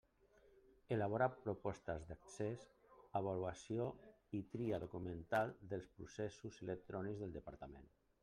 Elabora propostes d'accés, avaluació i tria documental dels processos electrònics del Departament.